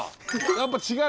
やっぱ違う？